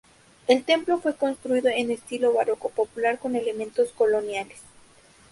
El templo fue construido en estilo barroco popular con elementos coloniales.